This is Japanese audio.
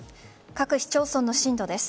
各市町村の震度です。